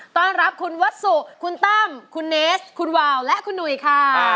ต้อนรับคุณวัสสุคุณตั้มคุณเนสคุณวาวและคุณหนุ่ยค่ะ